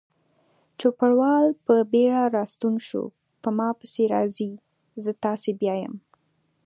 چوپړوال په بیړه راستون شو: په ما پسې راځئ، زه تاسې بیایم.